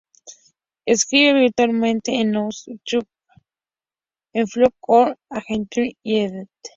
Escribe habitualmente en Neue Zürcher Zeitung, en Frankfurter Allgemeine Zeitung, y en Die Welt.